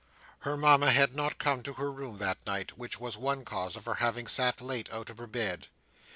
Her Mama had not come to her room that night, which was one cause of her having sat late out of her bed.